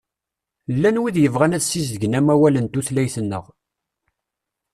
Llan wid yebɣan ad sizedgen amawal n tutlayt-nneɣ.